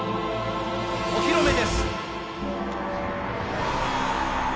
お披露目です。